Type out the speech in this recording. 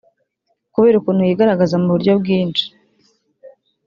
Kubera ukuntu yigaragaza mu buryo bwinshi